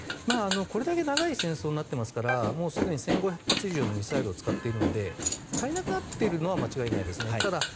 これだけ長い戦争になっていますからすでに１５００発以上のミサイルを使っているので足りなくなっているのは間違いないです。